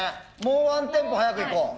もうワンテンポ早くいこう。